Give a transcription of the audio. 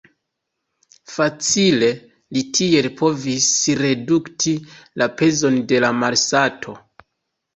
Facile li tiel povis redukti la pezon de la malsato.